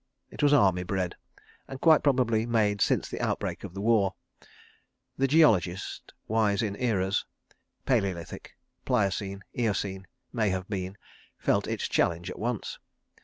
It was Army Bread, and quite probably made since the outbreak of the war. The geologist, wise in Eras—Paleolithic, Pliocene, Eocene, May have been—felt its challenge at once.